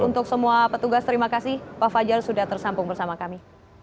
untuk semua petugas terima kasih pak fajar sudah tersambung bersama kami